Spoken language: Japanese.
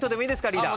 リーダー。